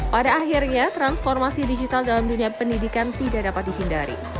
pada akhirnya transformasi digital dalam dunia pendidikan tidak dapat dihindari